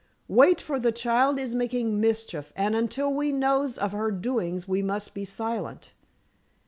Wait, for the child is making mischief, and until we knows of her doings we must be silent.